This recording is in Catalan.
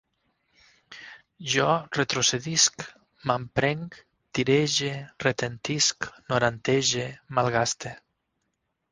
Jo retrocedisc, mamprenc, tirege, retentisc, norantege, malgaste